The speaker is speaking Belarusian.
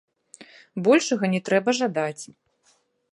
Большага не трэба жадаць.